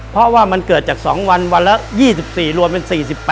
เพราะว่ามันเกิดจาก๒วันวันละ๒๔รวมเป็น๔๘